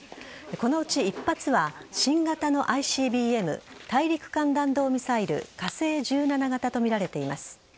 このうち一発は新型のＩＣＢＭ＝大陸間弾道ミサイル火星１７型とみられています。